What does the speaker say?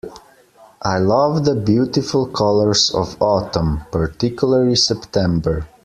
I love the beautiful colours of autumn, particularly September